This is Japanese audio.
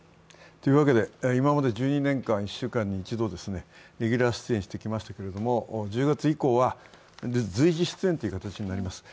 というわけで、今まで１２年間、１週間に一度レギュラー出演してきましたけれども、１０月以降は、随時出演という形になります。